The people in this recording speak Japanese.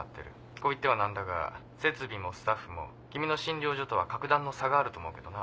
こう言っては何だが設備もスタッフも君の診療所とは格段の差があると思うけどな。